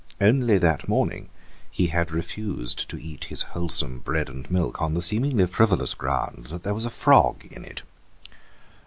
Only that morning he had refused to eat his wholesome bread and milk on the seemingly frivolous ground that there was a frog in it.